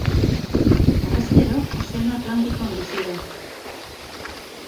Harrezkero, Ozeano Atlantikoan bizi da.